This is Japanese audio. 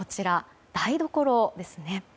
台所ですね。